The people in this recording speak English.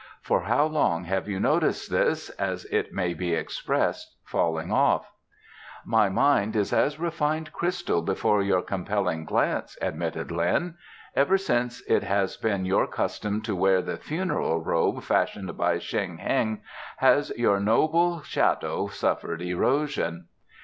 For how long have you noticed this, as it may be expressed, falling off?" "My mind is as refined crystal before your compelling glance," admitted Lin. "Ever since it has been your custom to wear the funeral robe fashioned by Shen Heng has your noble shadow suffered erosion."